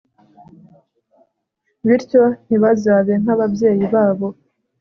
bityo ntibazabe nk'ababyeyi babo